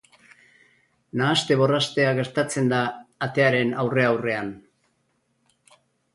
Nahaste-borrastea gertatzen da atearen aurre-aurrean.